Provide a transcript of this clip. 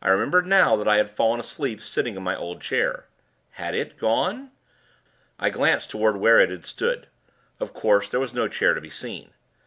I remembered now, that I had fallen asleep, sitting in my old chair. Had it gone ...? I glanced toward where it had stood. Of course, there was no chair to be seen.